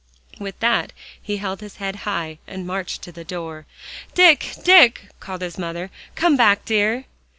With that, he held his head high, and marched to the door. "Dick, Dick!" called his mother, "come back, dear."